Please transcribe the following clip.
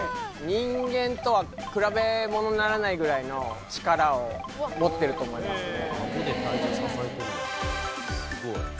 人間とは比べものにならないぐらいの力を持ってると思いますね。